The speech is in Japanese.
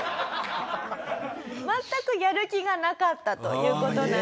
全くやる気がなかったという事なんですね。